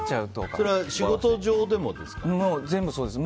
それは仕事上でもですか？